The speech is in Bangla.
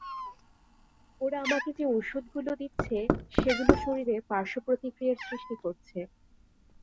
ওরা আমাকে যে ঔষধগুলো দিচ্ছে, সেগুলো শরীরে পার্শ্বপ্রতিক্রিয়ার সৃষ্টি করছে।